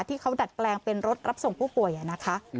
ที่เขาดัดแปลงเป็นรถรับส่งผู้ป่วยอ่ะนะคะ